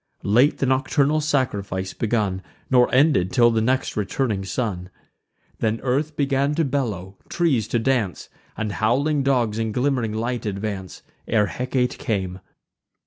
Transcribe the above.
Late the nocturnal sacrifice begun, Nor ended till the next returning sun. Then earth began to bellow, trees to dance, And howling dogs in glimm'ring light advance, Ere Hecate came.